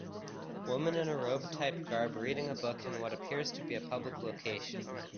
Woman in a robe type garb reading a book in what appears to be a public location